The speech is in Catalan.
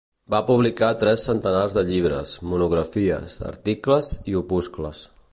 Va publicar tres centenars de llibres, monografies, articles i opuscles.